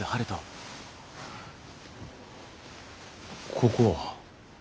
ここは。